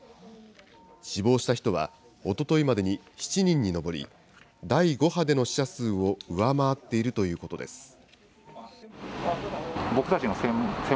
死亡した人は、おとといまでに７人に上り、第５波での死者数を上回っているということです。